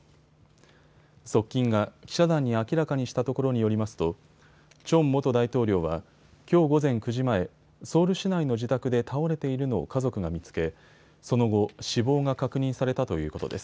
側近が記者団に明らかにしたところによりますとチョン元大統領はきょう午前９時前、ソウル市内の自宅で倒れているのを家族が見つけ、その後、死亡が確認されたということです。